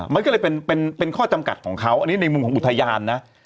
มันก็เลยเป็นข้อจำกัดของเขาอันนี้ในมุมของอุทยานนะ